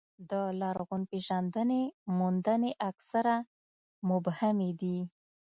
د لرغونپېژندنې موندنې اکثره مبهمې دي.